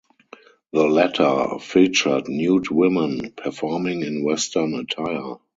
The latter featured nude women performing in western attire.